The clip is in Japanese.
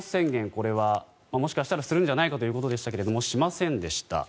これはもしかしたらするんじゃないかということでしたがしませんでした。